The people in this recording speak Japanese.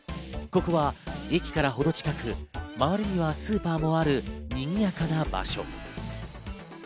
ここは駅から程近く、周りにはスーパーもあるにぎやかな場所。